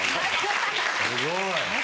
すごい。